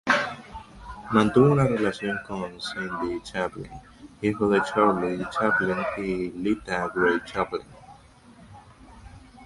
Mantuvo una relación con Sydney Chaplin, hijo de Charlie Chaplin y Lita Grey Chaplin.